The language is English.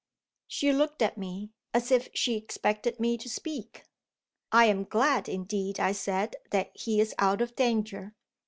She looked at me, as if she expected me to speak. "I am glad indeed," I said, "that he is out of danger."